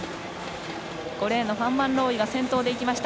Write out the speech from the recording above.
５レーンのファンバンローイが先頭でいきました。